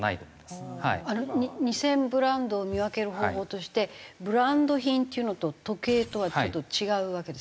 偽ブランドを見分ける方法としてブランド品っていうのと時計とはちょっと違うわけですか？